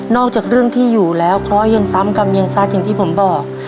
จากเรื่องที่อยู่แล้วเคราะห์ยังซ้ำกรรมยังซัดอย่างที่ผมบอก